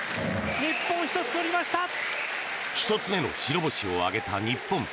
１つ目の白星を挙げた日本。